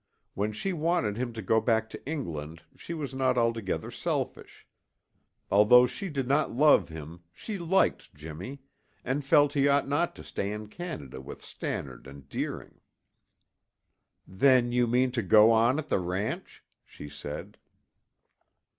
When she wanted him to go back to England she was not altogether selfish. Although she did not love him, she liked Jimmy, and felt he ought not to stay in Canada with Stannard and Deering. "Then, you mean to go on at the ranch?" she said.